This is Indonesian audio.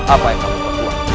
apa yang kamu buat